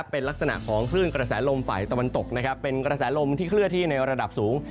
เป็นลักษณะของคลื่นกระแสลมฝ่ายตะวันตกนะครับเป็นกระแสลมที่เคลื่อนที่ในระดับสูง